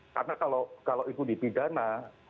karena kalau itu dipidana